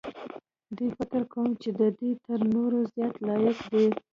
دی فکر کوي چې دی تر نورو زیات لایق دی.